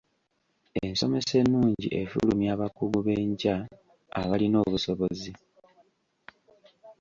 Ensomesa ennungi efulumya abakugu b'enkya abalina obusobozi.